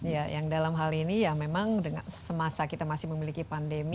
ya yang dalam hal ini ya memang semasa kita masih memiliki pandemi